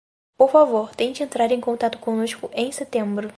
Por favor, tente entrar em contato conosco em setembro.